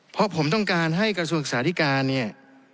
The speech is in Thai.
เพราะผมต้องการให้กระทรวงศึกษาธิการเนี่ย